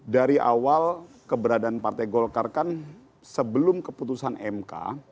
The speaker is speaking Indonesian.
dari awal keberadaan partai golkar kan sebelum keputusan mk